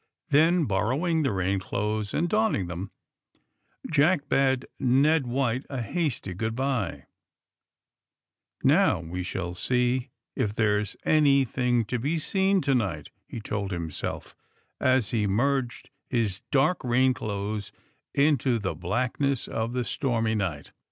Then, borrowing the rain clothes and donning them, Jack bade Ned White a hasty good bye. Now, we shall see if there's anything to be seen to night!" he told himself, as he merged his dark rain clothes into the blackness of the stormy night.